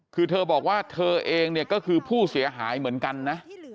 คือเธอบอกว่าเธอเองเนี่ยก็คือผู้เสียหายเหมือนกันนะ